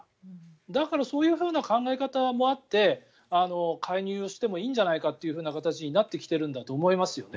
だからそういうふうな考え方もあって介入してもいいんじゃないかって形になってきてるんだと思いますよね。